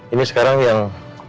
ini sekarang yang